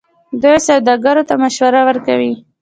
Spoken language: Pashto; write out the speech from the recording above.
دوی سوداګرو ته مشورې ورکوي.